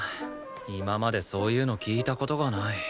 今までそういうの聞いた事がない。